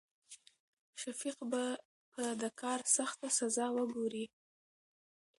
شفيق به په د کار سخته سزا وګوري.